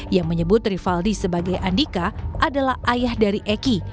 yang menyebut rivaldi sebagai andika adalah ayah dari eki